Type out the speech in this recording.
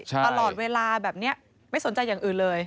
ตลอดเวลาแบบนี้ไม่สนใจอย่างอื่นเลย